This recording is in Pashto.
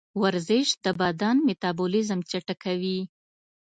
ورزش د بدن میتابولیزم چټکوي.